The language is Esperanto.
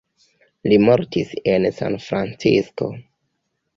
Li mortis en Sanfrancisko.